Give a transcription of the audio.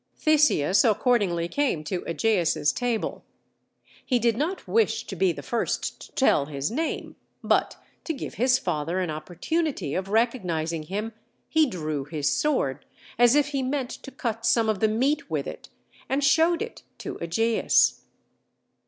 Theseus accordingly came to Ægeus's table. He did not wish to be the first to tell his name, but, to give his father an opportunity of recognizing him, he drew his sword, as if he meant to cut some of the meat with it, and showed it to Ægeus.